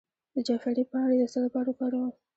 د جعفری پاڼې د څه لپاره وکاروم؟